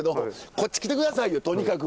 こっち来て下さいよとにかく。